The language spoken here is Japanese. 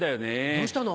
どうしたの？